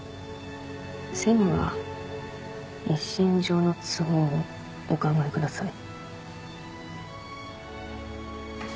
専務は一身上の都合をお考えください。